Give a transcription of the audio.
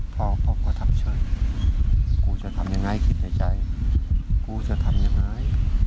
พ่อผมก็ทำเฉยกูจะทำยังไงคิดในใจกูจะทำยังไง